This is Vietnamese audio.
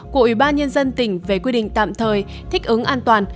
của ubnd tp nam định về quy định tạm thời thích ứng an toàn